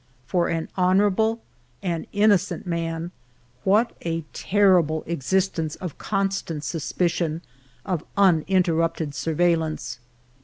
For an honorable, an innocent man, what a terrible existence of constant suspicion, of unin terrupted surveillance